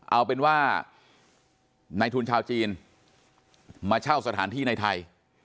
เอาเป็นว่าในทุนชาวจีนมาเช่าสถานที่ในไทย